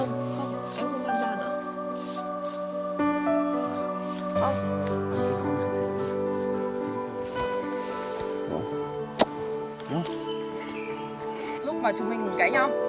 lúc mà chúng mình cãi nhau